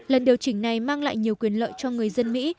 lần điều chỉnh này mang lại nhiều quyền lợi cho người dân mỹ